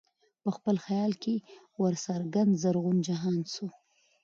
په خپل خیال کي ورڅرګند زرغون جهان سو